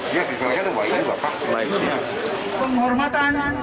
dia pribadi itu baik tapi bapak